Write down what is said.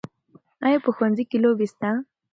آیا په ښوونځي کې لوبې سته؟